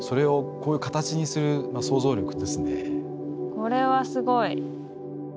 これはすごい。